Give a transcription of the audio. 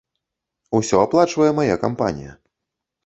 Усё аплачвае мая кампанія.